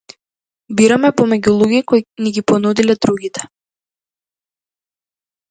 Бираме помеѓу луѓе кои ни ги понудиле другите.